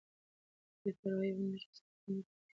که بې پروايي ونه شي ستونزه نه پېښېږي.